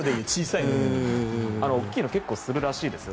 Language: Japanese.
あの大きいの結構するらしいですよ